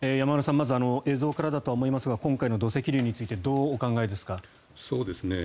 まず、あの映像からですが今回の土石流についてどうお考えですか？